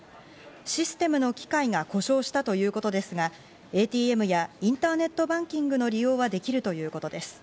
システムの機械が故障したということですが、ＡＴＭやインターネットバンキングの利用はできるということです。